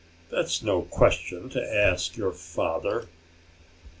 "That's no question to ask your father."